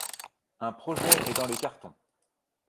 Un projet est dans les cartons...